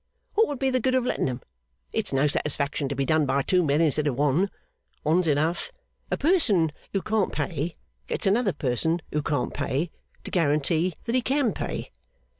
What would be the good of letting 'em? It's no satisfaction to be done by two men instead of one. One's enough. A person who can't pay, gets another person who can't pay, to guarantee that he can pay.